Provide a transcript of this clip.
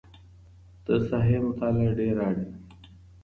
د ساحې مطالعه ډېره اړینه ده.